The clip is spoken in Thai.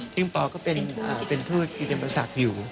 ซึ่งปก็เป็นผู้ที่จะมาสักอยู่